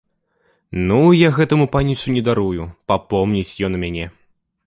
Ну, я гэтаму панічу не дарую, папомніць ён мяне!